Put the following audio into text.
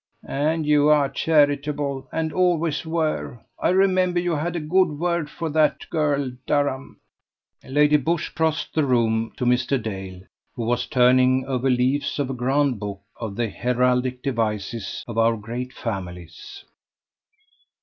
"And you are charitable, and always were. I remember you had a good word for that girl Durham." Lady Busshe crossed the room to Mr. Dale, who was turning over leaves of a grand book of the heraldic devices of our great Families.